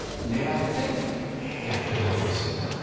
狙ってやってるわけですよね。